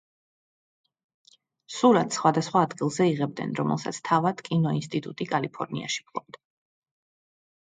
სურათს სხვადასხვა ადგილზე იღებდნენ, რომელსაც თავად კინოინსტიტუტი კალიფორნიაში ფლობდა.